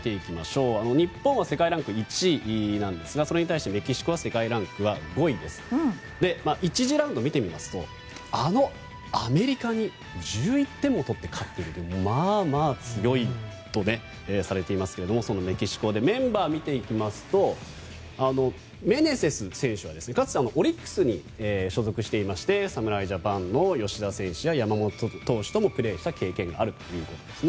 日本は世界ランク１位なんですがそれに対して、メキシコは世界ランク５位です。１次ラウンドを見てみますとあのアメリカに１１点も取って勝っているというまあまあ強いとされているそのメキシコのメンバーを見ていきますと、メネセス選手はかつて、オリックスに所属していまして侍ジャパンの吉田選手や山本投手ともプレーした経験があるということです。